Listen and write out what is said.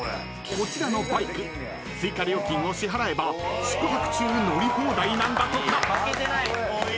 ［こちらのバイク追加料金を支払えば宿泊中乗り放題なんだとか］